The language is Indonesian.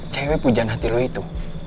cewek pujaan hati lo itu